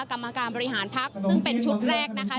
กรรมการบริหารพักซึ่งเป็นชุดแรกนะคะ